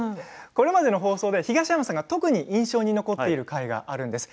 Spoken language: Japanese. これまでの放送で東山さんが特に印象に残っている回があるそうです。